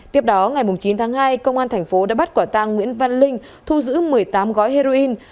tiếp đó ngày chín tháng hai công an thành phố đã bắt quả tăng nguyễn văn linh thu giữ một mươi tám gói heroin